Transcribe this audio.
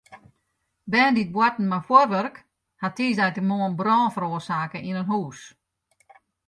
Bern dy't boarten mei fjurwurk hawwe tiisdeitemoarn brân feroarsake yn in hús.